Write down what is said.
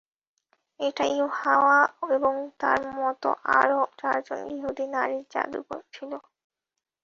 এটা ইউহাওয়া এবং তার মত আরো চারজন ইহুদী নারীর জাদু ছিল।